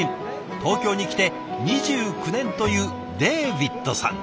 東京に来て２９年というデーヴィッドさん。